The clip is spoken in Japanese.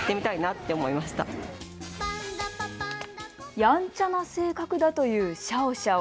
やんちゃな性格だというシャオシャオ。